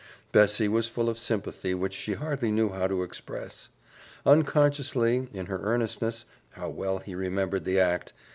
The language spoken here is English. Bessie was full of sympathy which she hardly knew how to express. Unconsciously, in her earnestness how well he remembered the act!